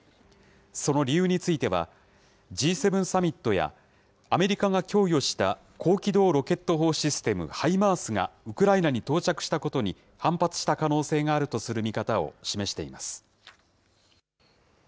その理由については、Ｇ７サミットや、アメリカが供与した高機動ロケット砲システム、ハイマースがウクライナに到着したことに反発した可能性があるとする見方を示しています。